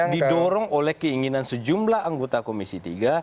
didorong oleh keinginan sejumlah anggota komisi tiga